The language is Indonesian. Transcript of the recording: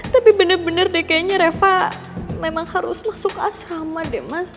tapi bener bener deh kayaknya reva memang harus masuk ke asrama deh mas